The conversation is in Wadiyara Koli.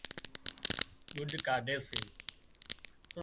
ڳُڏ ڪاڍي سي